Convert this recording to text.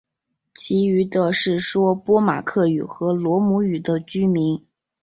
其余的是说波马克语和罗姆语的居民。